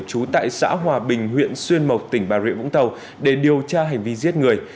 trú tại xã hòa bình huyện xuyên mộc tỉnh bà rịa vũng tàu để điều tra hành vi giết người